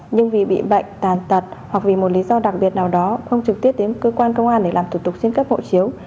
nhưng vì bị bệnh tàn tật hoặc vì một lý do đặc biệt nào đó không trực tiếp đến cơ quan công an để làm thủ tục xin cấp hộ chiếu